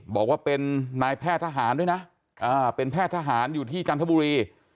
บอกว่าเป็นนายแพทย์ทหารด้วยนะเป็นแพทย์ทหารอยู่ที่จันทบุรี